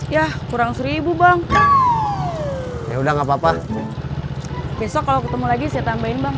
ya kurang seribu bang ya udah nggak apa apa besok kalau ketemu lagi saya tambahin bang